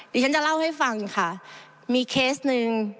ดิฉันจะเล่าให้ฟังค่ะมีเคสหนึ่ง